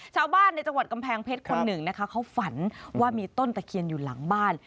ชาวบ้านในจังหวัดกำแพงเพชรคนหนึ่งนะคะเขาฝันว่ามีต้นตะเคียนอยู่หลังบ้าน